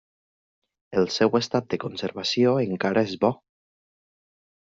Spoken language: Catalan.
El seu estat de conservació encara és bo.